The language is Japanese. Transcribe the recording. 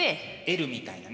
Ｌみたいなね。